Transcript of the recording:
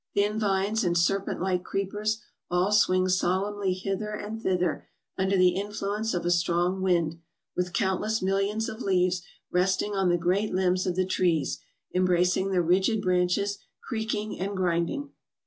Thin vines and serpent like creepers all swing solemnly hither and thither under the influence of a strong wind, with countless millions of leaves resting on the great limbs of the trees, embracing the rigid branches, creak ing and grinding.